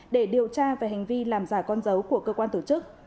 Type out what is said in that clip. để điều tra về hành vi làm giả con dấu của cơ quan tổ chức